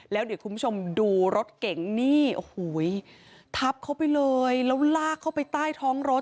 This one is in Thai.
แล้วเดี๋ยวคุณผู้ชมดูรถเก๋งนี่โอ้โหทับเขาไปเลยแล้วลากเข้าไปใต้ท้องรถ